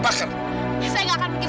buat siapa tadi pak